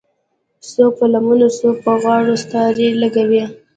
څوک په لمنو څوک په غاړو ستارې لګوي